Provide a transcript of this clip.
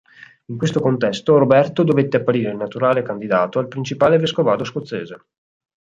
In questo contesto Roberto dovette apparire il naturale candidato al principale vescovado scozzese.